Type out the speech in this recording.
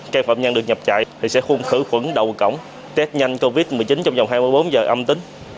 can phạm nhân được nhập trại thì sẽ khuôn khử khuẩn đầu cổng test nhanh covid một mươi chín trong hai mươi bốn giờ âm tính